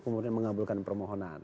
kemudian mengabulkan permohonan